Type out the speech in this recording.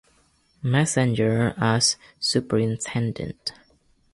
Messenger as superintendent.